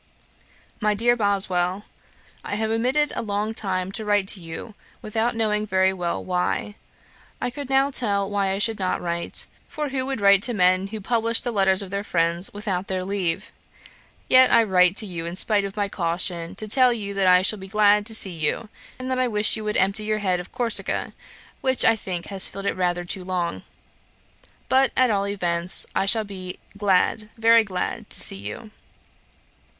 'MY DEAR BOSWELL, 'I have omitted a long time to write to you, without knowing very well why. I could now tell why I should not write; for who would write to men who publish the letters of their friends, without their leave? Yet I write to you in spite of my caution, to tell you that I shall be glad to see you, and that I wish you would empty your head of Corsica, which I think has filled it rather too long. But, at all events, I shall be glad, very glad to see you.